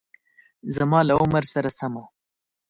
زما له عمر سره سمه